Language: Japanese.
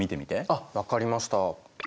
あっ分かりました。